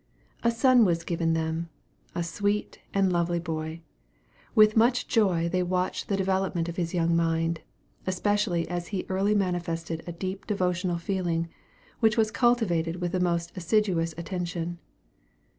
A son was given them, a sweet and lovely boy. With much joy they watched the development of his young mind, especially as he early manifested a deep devotional feeling, which was cultivated with the most assiduous attention.